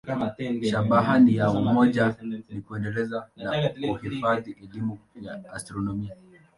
Shabaha ya umoja ni kuendeleza na kuhifadhi elimu ya astronomia.